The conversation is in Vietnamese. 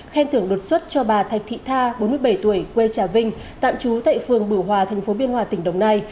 khen thưởng đột xuất cho bà thạch thị tha bốn mươi bảy tuổi quê trà vinh tạm trú tại phường bửu hòa thành phố biên hòa tỉnh đồng nai